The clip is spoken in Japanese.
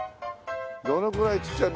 どのぐらいちっちゃい。